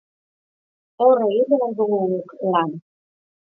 Hor egin behar dugu guk lan.